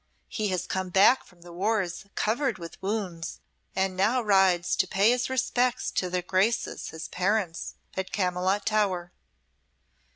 "He has come back from the wars covered with wounds and now rides to pay his respects to their Graces, his parents, at Camylott Tower."